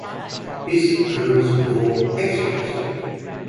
Bis kurz vor Exitus.